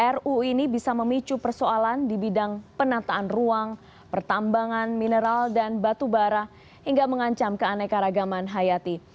ruu ini bisa memicu persoalan di bidang penataan ruang pertambangan mineral dan batu bara hingga mengancam keanekaragaman hayati